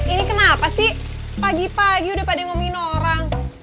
ini kenapa sih pagi pagi udah pada ngomongin orang